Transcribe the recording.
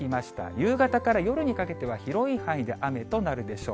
夕方から夜にかけては広い範囲で雨となるでしょう。